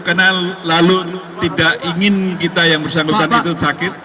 karena lalu tidak ingin kita yang bersanggupan itu sakit